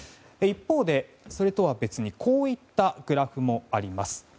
一方で、それとは別にこういったグラフもあります。